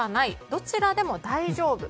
どちらでも大丈夫。